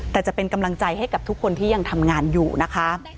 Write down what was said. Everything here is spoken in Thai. แต่จะเป็นกำลังใจให้กับทุกคนที่ยังทำงานอยู่นะคะ